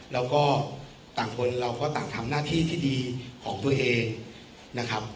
แล้วก็ต่างคนเราก็ต่างทำหน้าที่ที่ดีของตัวเองนะครับ